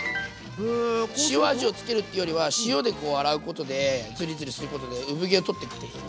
塩味を付けるっていうよりは塩でこう洗うことでズリズリすることで産毛を取っていくっていう。